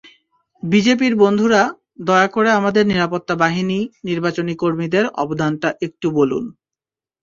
বিজেপির বন্ধুরা, দয়া করে আমাদের নিরাপত্তা বাহিনী, নির্বাচনী কর্মীদের অবদানটা একটু বলুন।